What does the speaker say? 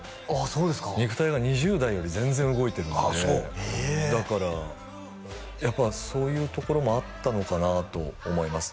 そうですか肉体が２０代より全然動いてるんでああそうええだからやっぱそういうところもあったのかなと思います